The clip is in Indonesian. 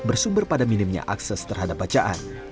bersumber pada minimnya akses terhadap bacaan